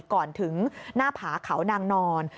ก่อนถึงหน้าผาเขานางนอน